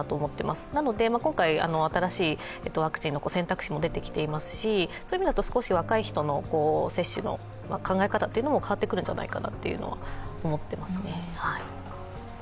ですので今回、新しいワクチンの選択肢も出てきていますし、そういう意味だと若い人たちの接種の考え方も変わってくるんじゃないかというのは思っています。